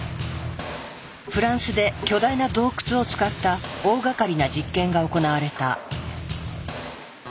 フランスで巨大な洞窟を使った大がかりな実験が行われた。